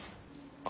あ。